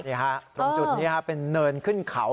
เฮี่ยครับตรึงจุดนี้เป็นเดินขึ้นเขา